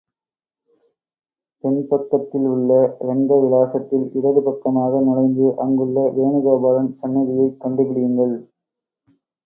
தென் பக்கத்தில் உள்ள ரங்க விலாசத்தில் இடது பக்கமாக நுழைந்து அங்குள்ள வேனுகோபாலன் சந்நிதியைக் கண்டுபிடியுங்கள்.